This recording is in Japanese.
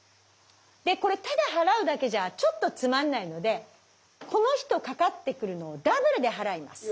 でこれただ払うだけじゃちょっとつまんないのでこの人かかってくるのをダブルで払います。